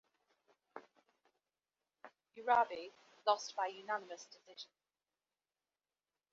Urabe lost by unanimous decision.